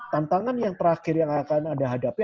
tantangan yang terakhir yang akan anda hadapi